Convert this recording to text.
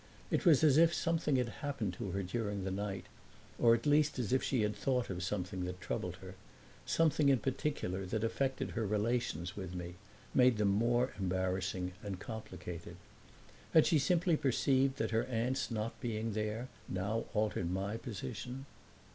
It was as if something had happened to her during the night, or at least as if she had thought of something that troubled her something in particular that affected her relations with me, made them more embarrassing and complicated. Had she simply perceived that her aunt's not being there now altered my position?